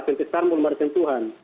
sampai sekarang belum ada sentuhan